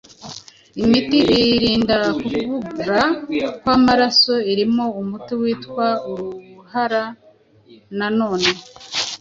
imiti irinda kuvura kw’amaraso irimo umuti witwa Uruhara nanone